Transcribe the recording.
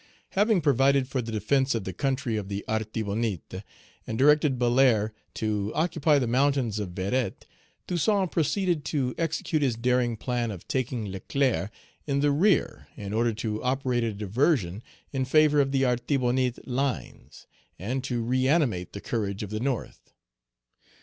Having provided for the defence of the country of the Artibonite, and directed Belair to occupy the mountains of Verettes, Toussaint proceeded to execute his daring plan of taking Leclerc in the rear in order to operate a diversion in favor of the Artibonite lines, and to reanimate the courage of the North.